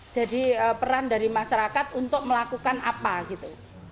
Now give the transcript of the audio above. jadi peran dari masyarakat untuk melakukan apa gitu